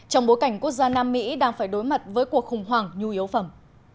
trong bối cảnh quốc gia nam mỹ đang phải đối mặt với cuộc khủng hoảng nhu yếu phẩm